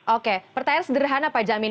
oke pertanyaan sederhana pak jamin